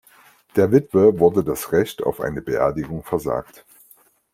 Der Witwe wurde das Recht auf eine Beerdigung versagt.